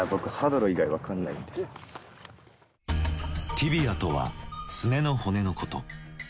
ティビアとはすねの骨のこと。